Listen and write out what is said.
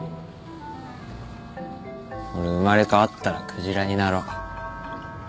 俺生まれ変わったら鯨になろ。